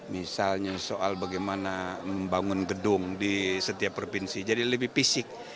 misalnya soal bagaimana membangun gedung di setiap provinsi jadi lebih fisik